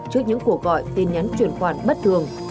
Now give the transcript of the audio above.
trước những cuộc gọi tin nhắn chuyển khoản bất thường